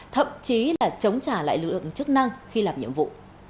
thậm chí là chống trả lại lực lượng chức năng khi làm nhiệm vụ